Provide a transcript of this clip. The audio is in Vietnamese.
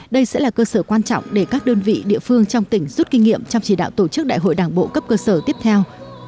đây sẽ là cơ sở quan trọng để các đơn vị địa phương trong tỉnh rút kinh nghiệm trong chỉ đạo tổ chức đại hội đảng bộ cấp cơ sở tiếp theo